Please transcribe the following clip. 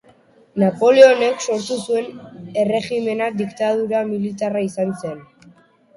Napoleonek sortu zuen erregimena diktadura militarra izan zen.